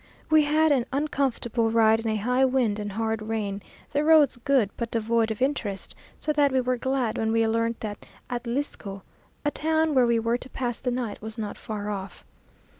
We had an uncomfortable ride in a high wind and hard rain, the roads good, but devoid of interest, so that we were glad when we learnt that Atlisco, a town where we were to pass the night, was not far off.